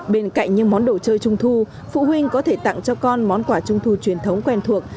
bên cạnh những món đồ chơi trung thu phụ huynh có thể tặng cho con món quà trung thu truyền thống quen thuộc